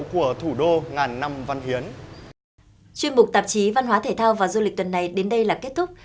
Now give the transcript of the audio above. chuyên mục tạp chí văn hóa thể thao và du lịch tuần này đến đây là kết thúc